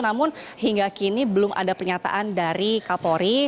namun hingga kini belum ada pernyataan dari kapolri